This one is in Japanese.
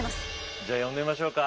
じゃあ呼んでみましょうか。